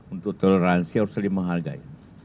untuk toleransi harus saling menghargai